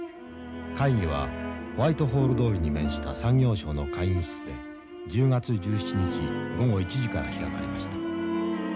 会議はホワイト・ホール通りに面した産業省の会議室で１０月１７日午後１時から開かれました。